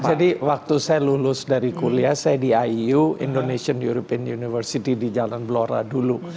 jadi waktu saya lulus dari kuliah saya di iu indonesian european university di jalan blora dulu